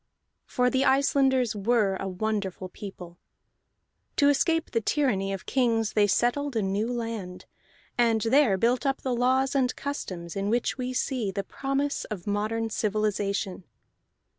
For the Icelanders were a wonderful people. To escape the tyranny of kings they settled a new land, and there built up the laws and customs in which we see the promise of modern civilization.